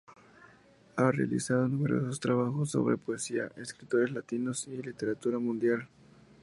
Ha realizado numerosos trabajos sobre poesía, escritores latinos y literatura mundial.